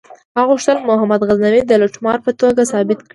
هغه غوښتل محمود غزنوي د لوټمار په توګه ثابت کړي.